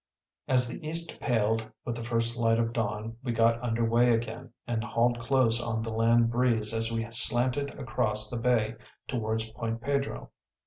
As the east paled with the first light of dawn we got under way again, and hauled close on the land breeze as we slanted across the bay toward Point Pedro.